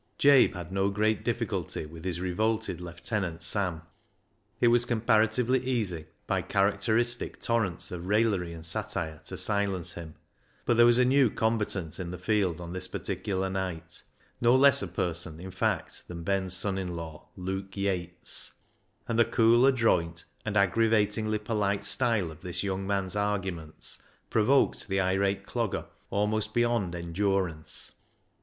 Jabe had no great difficulty with his revolted lieutenant Sam. It was comparatively easy by characteristic torrents of raillery and satire to silence him. But there was a new combatant in the field on this particular night — no less a person, in fact, than Ben's son in law, Luke Yates. And the cool, adroit, and aggravatingly polite style of this young man's arguments provoked the irate Clogger almost beyond endurance.